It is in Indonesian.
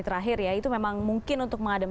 terakhir ya itu memang mungkin untuk mengadam